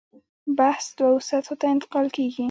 بحث دوو سطحو ته انتقال کېږي.